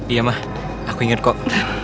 iya mah aku inget kok